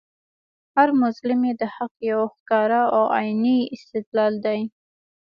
هر مظلوم ئې د حق یو ښکاره او عیني استدلال دئ